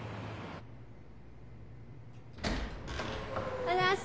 おはようございます。